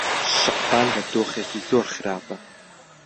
شەعبان لە دۆخێکی زۆر خراپە.